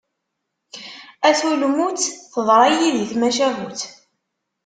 A tulmut, teḍra yid-i tmacahut.